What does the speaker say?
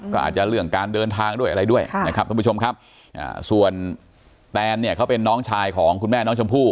ก็อาจจะเรื่องการเดินทางด้วยอะไรด้วยนะครับท่านผู้ชมครับส่วนแตนเนี่ยเขาเป็นน้องชายของคุณแม่น้องชมพู่